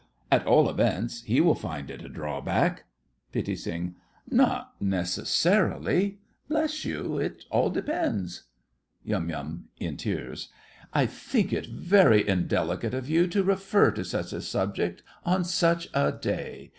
At all events, he will find it a drawback. PITTI. Not necessarily. Bless you, it all depends! YUM. (in tears). I think it very indelicate of you to refer to such a subject on such a day.